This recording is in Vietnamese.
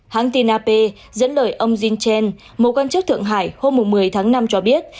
hãng tin ap dẫn lời ông jin chen một quan chức thượng hải hôm một mươi tháng năm cho biết